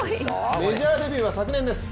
メジャーデビューは昨年です。